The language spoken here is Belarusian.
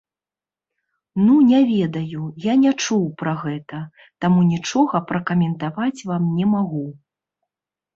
Ну, не ведаю, я не чуў пра гэта, таму нічога пракаментаваць вам не магу.